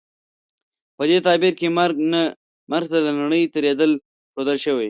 په دې تعبیر کې مرګ ته له نړۍ تېرېدل ښودل شوي.